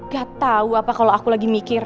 gak tau apa kalau aku lagi mikir